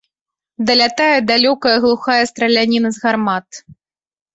Далятае далёкая глухая страляніна з гармат.